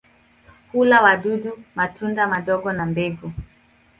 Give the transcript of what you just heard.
Hula wadudu, matunda madogo na mbegu.